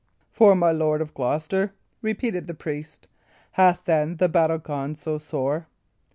"For my Lord of Gloucester?" repeated the priest. "Hath, then, the battle gone so sore?"